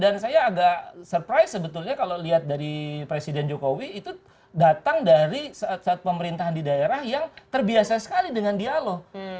dan saya agak surprise sebetulnya kalau lihat dari presiden jokowi itu datang dari saat pemerintahan di daerah yang terbiasa sekali dengan dialog